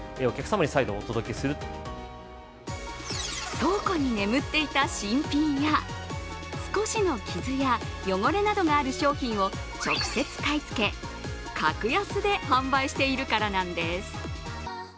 倉庫に眠っていた新品や少しの傷や汚れなどがある商品を直接買い付け、格安で販売しているからなんです。